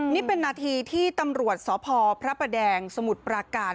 นี่เป็นนาทีที่ตำรวจสพพระประแดงสมุทรปราการ